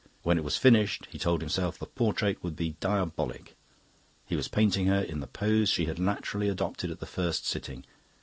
When it was finished, he told himself, the portrait would be diabolic. He was painting her in the pose she had naturally adopted at the first sitting.